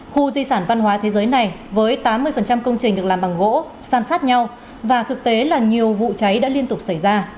khu di sản văn hóa thế giới này với tám mươi công trình được làm bằng gỗ san sát nhau và thực tế là nhiều vụ cháy đã liên tục xảy ra